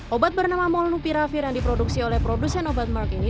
obat bernama monopiravir yang diproduksi oleh produsen obatmark ini